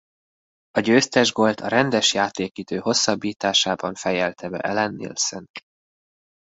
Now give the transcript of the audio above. A győztes gólt a rendes játékidő hosszabbításában fejelte be Allan Nielsen.